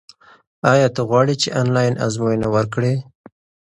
ایا ته غواړې چې آنلاین ازموینه ورکړې؟